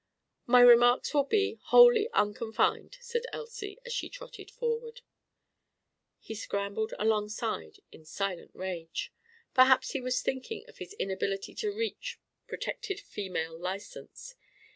"My remarks will be wholly unconfined," said Elsie, as she trotted forward. He scrambled alongside in silent rage. Perhaps he was thinking of his inability to reach protected female license.